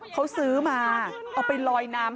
เขาซื้อมาเอาไปลอยน้ำ